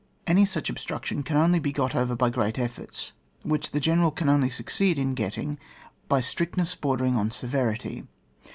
Any such obstruction can only be got over by great efforts, which the general can only succeed in getting by strictness bordering on severity.